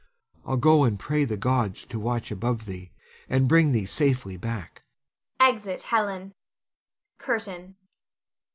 I'll go and pray the gods to watch above thee, and bring thee safely back. [Exit Helon. CURTAIN.